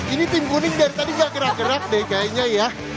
ini tim kuning dari tadi nggak gerak gerak deh kayaknya ya